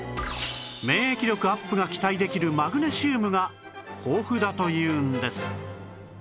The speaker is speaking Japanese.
免疫力アップが期待できるマグネシウムが豊富だというんです